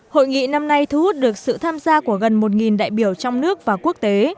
hội nghị năm nay thu hút được sự tham gia của gần một đại biểu trong nước và quốc tế